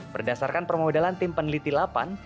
berdasarkan permodalan tim peneliti lapan